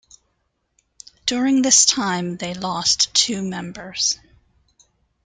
During this time they lost two members.